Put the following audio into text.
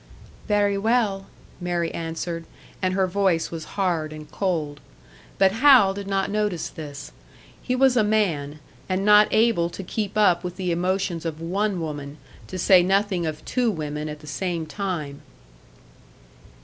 "Very well," Mary answered; and her voice was hard and cold. But Hal did not notice this. He was a man, and not able to keep up with the emotions of one woman to say nothing of two women at the same time.